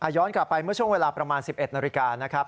ย้อนกลับไปเมื่อช่วงเวลาประมาณ๑๑นาฬิกานะครับ